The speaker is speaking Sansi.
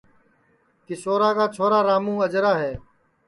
کیشورا کا چھورا راموں اجرا ہے